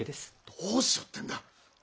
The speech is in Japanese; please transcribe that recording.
どうしろってんだ！